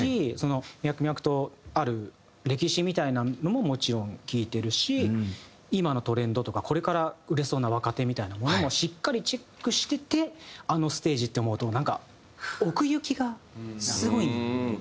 脈々とある歴史みたいなのももちろん聴いてるし今のトレンドとかこれから売れそうな若手みたいなものもしっかりチェックしててあのステージって思うとなんか奥行きがスゴいんですよね。